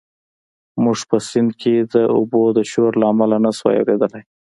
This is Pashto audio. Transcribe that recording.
موږ په سیند کې د اوبو د شور له امله نه شوای اورېدلی.